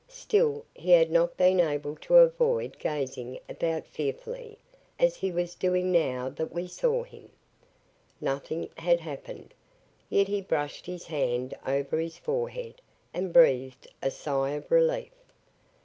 Still, he had not been able to avoid gazing about fearfully, as he was doing now that we saw him. Nothing had happened. Yet he brushed his hand over his forehead and breathed a sigh of relief.